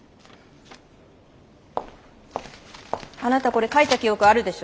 あなたこれ書いた記憶あるでしょ？